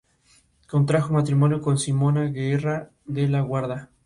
Contrajo matrimonio con Simona Guerra de la Guarda.